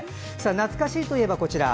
懐かしいといえば、こちら。